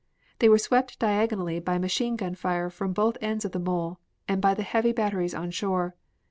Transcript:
They were swept diagonally by machine gun fire from both ends of the mole and by the heavy batteries on shore.